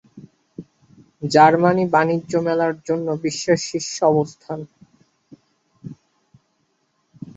Germany বাণিজ্য মেলার জন্য বিশ্বের শীর্ষ অবস্থান।